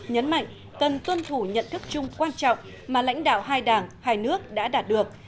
nhấn mạnh cần tuân thủ nhận thức chung quan trọng mà lãnh đạo hai đảng hai nước đã đạt được